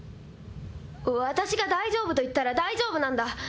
私が大丈夫と言ったら大丈夫なんだ。